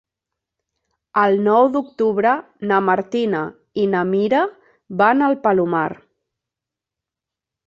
El nou d'octubre na Martina i na Mira van al Palomar.